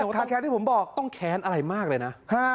ถ้าแค้นที่ผมบอกต้องแค้นอะไรมากเลยนะ